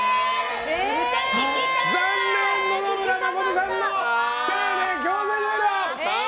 残念、野々村真さんのせいで強制終了！